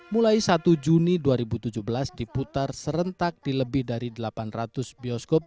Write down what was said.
mulai satu juni dua ribu tujuh belas diputar serentak di lebih dari delapan ratus bioskop